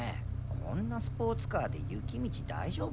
こんなスポーツカーで雪道大丈夫？